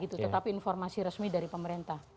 tetapi informasi resmi dari pemerintah